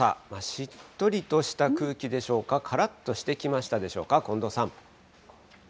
しっとりとした空気でしょうか、からっとしてきましたでしょうか、近藤さん。